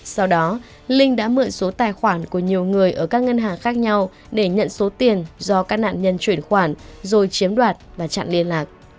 sau đó linh đã mượn số tài khoản của nhiều người ở các ngân hàng khác nhau để nhận số tiền do các nạn nhân chuyển khoản rồi chiếm đoạt và chặn liên lạc